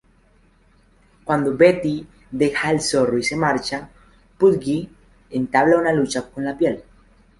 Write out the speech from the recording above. Cuando Betty deja el zorro y marcha, Pudgy entabla una lucha con la piel.